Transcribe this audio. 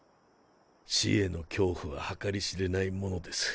死への恐怖は計り知れないものです。